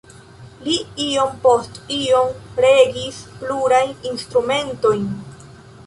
Li iom post iom regis plurajn instrumentojn.